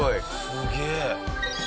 すげえ！